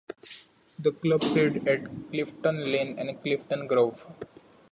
The club played at Clifton Lane and Clifton Grove.